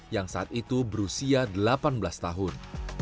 yang saat itu berusia delapan belas tahun